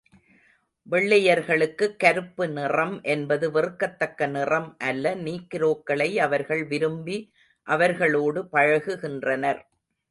வெள்ளையர்களுக்குக் கருப்பு நிறம் என்பது வெறுக்கத் தக்க நிறம் அல்ல நீக்ரோக்களை அவர்கள் விரும்பி அவர்களோடு பழகுகின்றனர்.